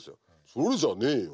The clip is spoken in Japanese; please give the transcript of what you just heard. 「それじゃねえよ」